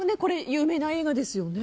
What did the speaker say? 有名な映画ですよね。